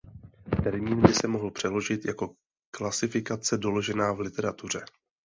Termín by se mohl přeložit jako klasifikace doložená v literatuře.